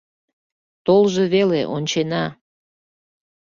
— Толжо веле — ончена.